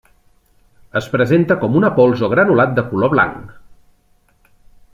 Es presenta com una pols o granulat de color blanc.